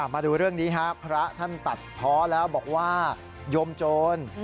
มาดูเรื่องนี้ครับพระท่านตัดเพาะแล้วบอกว่าโยมโจร